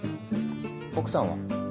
奥さんは？